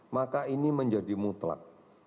maka ini menjadi mutlak